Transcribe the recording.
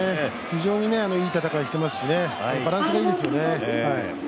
非常にいい戦いしてますし、バランスがいいですよね。